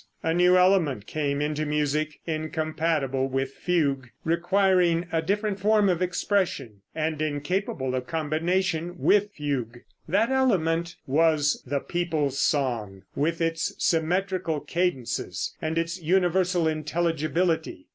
A new element came into music, incompatible with fugue, requiring a different form of expression, and incapable of combination with fugue. That element was the people's song, with its symmetrical cadences and its universal intelligibility.